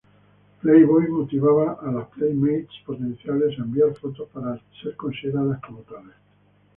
Playboy motivaba a las Playmates potenciales a enviar fotos para ser consideradas como tales.